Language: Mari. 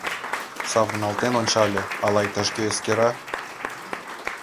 Савырналтен ончале: ала иктаж-кӧ эскера?